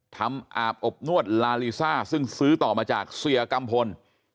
อาบอบนวดลาลีซ่าซึ่งซื้อต่อมาจากเสียกัมพล